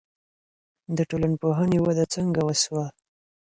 د ټولنپوهنې وده څنګه وسوه؟